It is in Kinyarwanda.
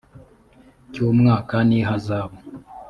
cy umwaka n ihazabu